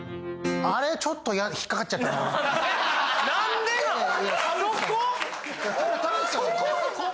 あれちょっと引っかかっちゃったなそこ？